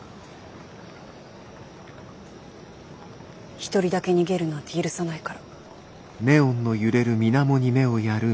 一人だけ逃げるなんて許さないから。